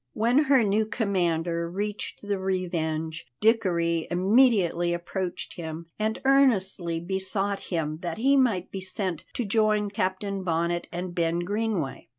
When her new commander reached the Revenge, Dickory immediately approached him and earnestly besought him that he might be sent to join Captain Bonnet and Ben Greenway.